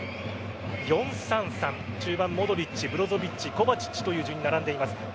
４−３−３中盤モドリッチ、ブロゾヴィッチコヴァチッチという順に並んでいます。